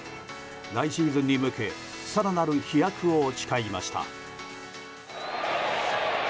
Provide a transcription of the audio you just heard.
来シーズンに向け更なる飛躍を誓いました。